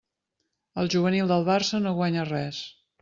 El juvenil del Barça no guanya res.